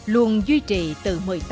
luôn duy trì từ một mươi tám